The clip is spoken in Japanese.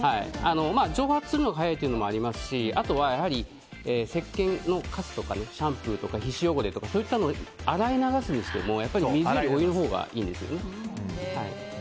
蒸発するのが早いというのもありますしあとはせっけんのカスとかシャンプーとか皮脂汚れとかそういったものを洗い流すにしても水よりお湯のほうがいいんですよね。